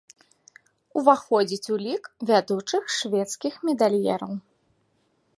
Уваходзіць у лік вядучых шведскіх медальераў.